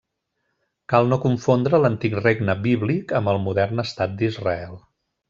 Cal no confondre l'antic regne bíblic amb el modern Estat d'Israel.